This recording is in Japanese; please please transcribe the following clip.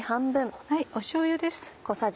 しょうゆです。